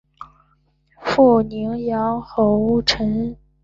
父宁阳侯陈懋。